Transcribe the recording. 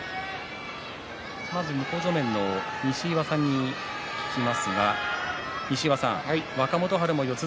向正面の西岩さんに聞きますが若元春も四つ